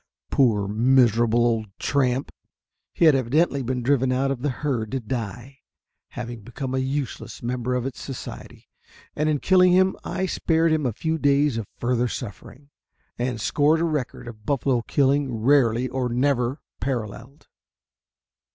Poor, miserable, old tramp! He had evidently been driven out of the herd to die, having become a useless member of its society, and in killing him I spared him a few days of further suffering, and scored a record of buffalo killing rarely or never paralleled.